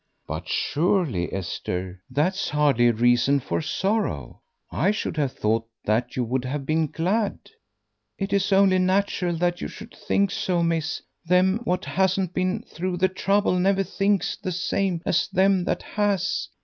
"But surely, Esther, that's hardly a reason for sorrow; I should have thought that you would have been glad." "It is only natural that you should think so, miss; them what hasn't been through the trouble never thinks the same as them that has.